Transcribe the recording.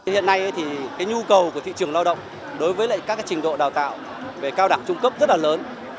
hiện nay thì cái nhu cầu của thị trường lao động đối với các trình độ đào tạo về cao đẳng trung cấp rất là lớn